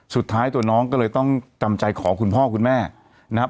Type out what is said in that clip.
สุดท้ายตัวน้องก็เลยต้องจำใจขอคุณพ่อคุณแม่นะครับ